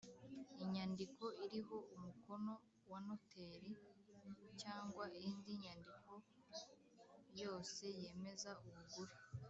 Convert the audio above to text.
Inyandiko iriho umukono wa Noteri cyangwa indi nyandiko yose yemeza ubugure